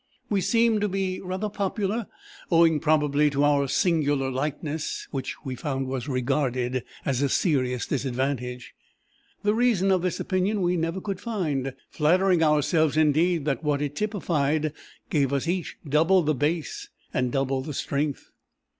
We seemed to be rather popular, owing probably to our singular likeness, which we found was regarded as a serious disadvantage. The reason of this opinion we never could find, flattering ourselves indeed that what it typified gave us each double the base and double the strength.